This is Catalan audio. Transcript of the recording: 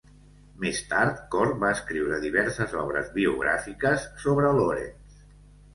Més tard, Corke va escriure diverses obres biogràfiques sobre Lawrence.